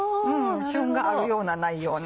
旬があるようなないような。